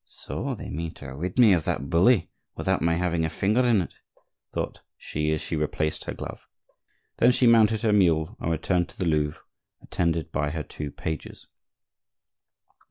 "So they mean to rid me of that bully without my having a finger in it," thought she as she replaced her glove. Then she mounted her mule and returned to the Louvre, attended by her two pages.